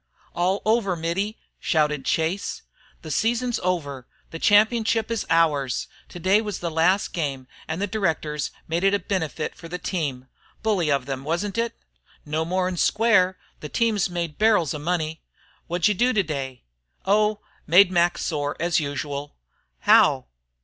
"All over, Mittie!" shouted Chase. "The season's over; the championship is ours; today was the last game, and the directors made it a benefit for the team. Bully of them, wasn't it?" "No more 'n square. The team's made barrels of money. Wot'd you do today." "Oh, made Mac sore, as usual." "How?"